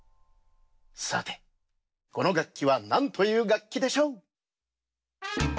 さてこのがっきはなんというがっきでしょう？